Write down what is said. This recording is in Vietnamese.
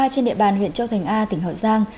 trên địa bàn huyện châu thành a tỉnh hậu giang